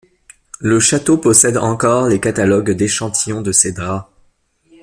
Le château possède encore les catalogues d’échantillons de ces draps.